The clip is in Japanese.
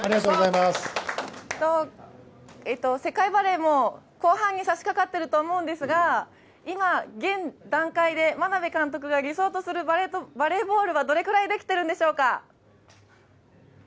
世界バレーも後半に差しかかっていると思うんですが、今、現段階で眞鍋監督が理想とするバレーボールはどれくらいできているんでしょうか？